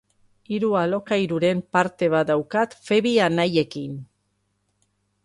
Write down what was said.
Hiru alokairuren parte bat daukat Pheby anaiekin.